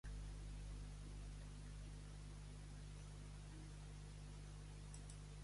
A què es dedicà Linos?